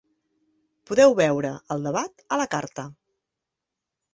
Podeu veure el debat a la carta.